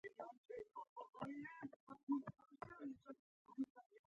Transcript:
هغه خلک چې د مېړانې خبرې یې کولې، ټول خاورو ته تللي دي.